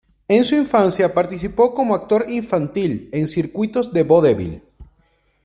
En su infancia participó como actor infantil en circuitos de vodevil.